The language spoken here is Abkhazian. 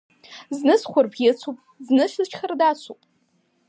Зны схәырбӷьыцуп, зны сышьхардацуп…